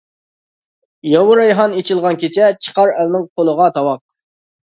«ياۋا رەيھان» ئېچىلغان كېچە، چىقار ئەلنىڭ قولىغا تاۋاق.